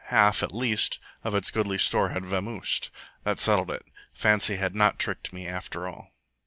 Half, at least, of its goodly store had vamosed. That settled it. Fancy had not tricked me after all.